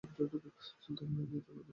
সুলতানা রাজিয়া তখন দিল্লীর শাসক।